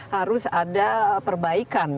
harus ada perbaikan